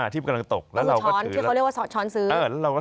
ที่มันกำลังตก